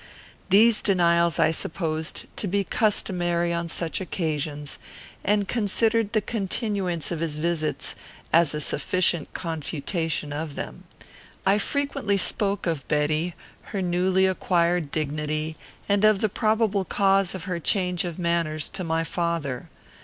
These denials I supposed to be customary on such occasions, and considered the continuance of his visits as a sufficient confutation of them. I frequently spoke of Betty, her newly acquired dignity, and of the probable cause of her change of manners, to my father.